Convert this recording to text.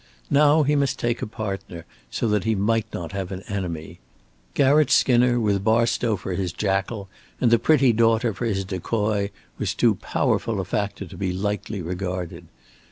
Now he must take a partner, so that he might not have an enemy. Garratt Skinner with Barstow for his jackal and the pretty daughter for his decoy was too powerful a factor to be lightly regarded.